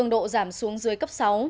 độ giảm xuống dưới cấp sáu